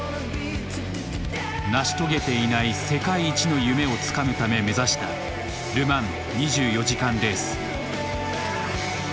成し遂げていない世界一の夢をつかむため目指したル・マン２４時間レース。